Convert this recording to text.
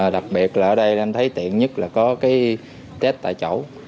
đặc biệt là ở đây em thấy tiện nhất là có cái chết tại chỗ